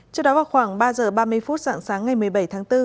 trước đó vào khoảng ba h ba mươi phút sáng sáng ngày một mươi bảy tháng bốn